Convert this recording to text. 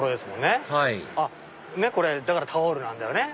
はいだからタオルなんだよね。